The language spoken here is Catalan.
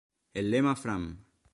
El lema Fram!